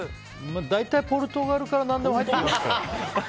大体ポルトガルから何でも入ってきますから。